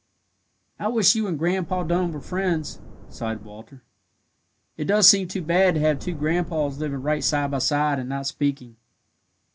"I wish you and Grandpa Dun were friends," sighed Walter. "It does seem too bad to have two grandpas living right side by side, and not speaking."